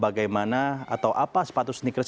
bagaimana atau apa sepatu sneakers